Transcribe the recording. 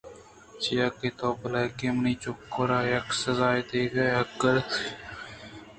چیاکہ تو بلکیں منی چُکّ ءَ را اے سِزا دئیگ ءَ حق ءُ راست بُوتگ ئِے